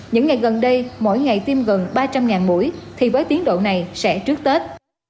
những ngày gần đây mỗi ngày tiêm gần ba trăm linh mũi thì với tiến độ này sẽ trước tết